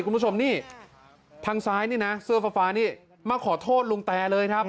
คุณผู้ชมนี่ทางซ้ายนี่นะเสื้อฟ้านี่มาขอโทษลุงแตเลยครับ